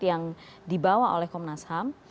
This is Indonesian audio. yang dibawa oleh komnas ham